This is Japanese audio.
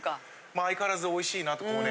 相変わらずおいしいなとコウネ。